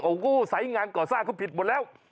โอ้โหสายงานก่อสร้างเขาผิดหมดแล้ว